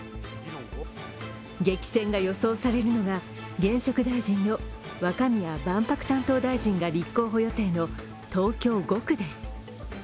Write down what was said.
激戦が予想されるのが、現職大臣の若宮万博担当大臣が立候補予定の東京５区です。